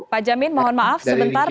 pak jamin mohon maaf sebentar